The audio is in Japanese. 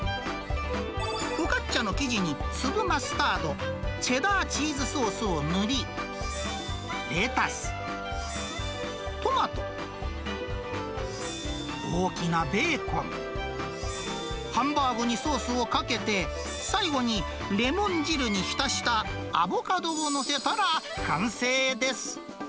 フォカッチャの生地に粒マスタード、チェダーチーズソースを塗り、レタス、トマト、大きなベーコン、ハンバーグにソースをかけて、最後にレモン汁に浸したアボカドを載せたら完成です。